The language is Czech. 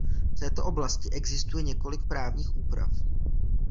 V této oblasti existuje několik právních úprav.